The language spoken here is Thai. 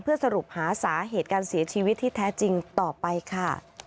สรุปหาสาเหตุการเสียชีวิตที่แท้จริงต่อไปค่ะ